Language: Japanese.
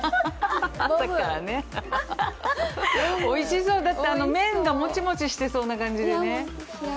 おいしそう、だって麺がモチモチしてそうな感じでね。